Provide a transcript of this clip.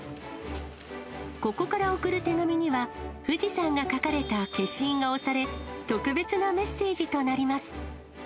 ここから送る手紙には、富士山が描かれた消印が押され、特別なメッセージとなります。